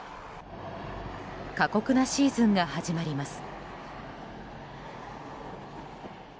過酷なシーズンが始まります。